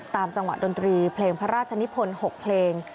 จังหวะดนตรีเพลงพระราชนิพล๖เพลง